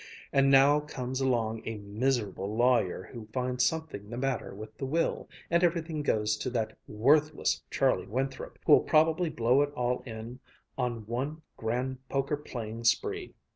And now comes along a miserable lawyer who finds something the matter with the will, and everything goes to that worthless Charlie Winthrop, who'll probably blow it all in on one grand poker playing spree.